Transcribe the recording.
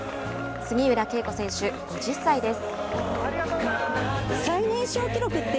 杉浦佳子選手、５０歳です。